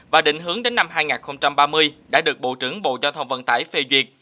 và định hướng đến năm hai nghìn ba mươi đã được bộ trưởng bộ giao thông vận tải phê duyệt